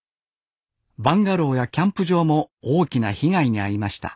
バンガローやキャンプ場も大きな被害に遭いました